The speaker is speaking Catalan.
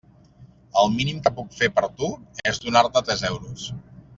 El mínim que puc fer per tu és donar-te tres euros.